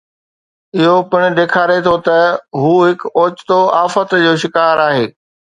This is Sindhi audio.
اهو پڻ ڏيکاري ٿو ته هو هڪ اوچتو آفت جو شڪار آهي